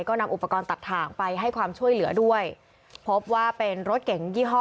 ก็นำอุปกรณ์ตัดถ่างไปให้ความช่วยเหลือด้วยพบว่าเป็นรถเก๋งยี่ห้อ